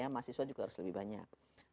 mahasiswa juga harus lebih banyak